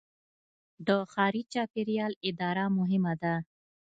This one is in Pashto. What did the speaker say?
د ښاري چاپیریال اداره مهمه ده.